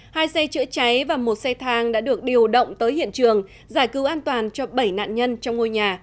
hai xe chữa cháy và một xe thang đã được điều động tới hiện trường giải cứu an toàn cho bảy nạn nhân trong ngôi nhà